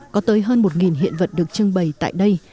có tới hơn một hiện vật được trưng bày tại đây